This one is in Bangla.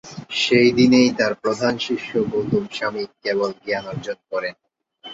সেই দিনেই তাঁর প্রধান শিষ্য গৌতম স্বামী কেবল জ্ঞান অর্জন করেন।